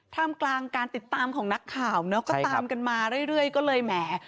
ท่ามกลางการติดตามของนักข่าวเนอะก็ตามกันมาเรื่อยก็เลยแหม